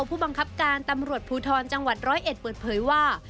ผู้บังคับการตำรวจภูทรจังหวัดร้อยเอ็ดเปิดเผยว่า